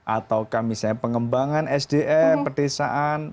atau misalnya pengembangan sdm perdesaan